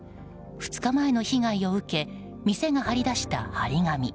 ２日前の被害を受け店が貼り出した貼り紙。